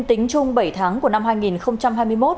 tính chung bảy tháng của năm hai nghìn hai mươi một